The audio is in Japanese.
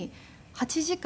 ８時間？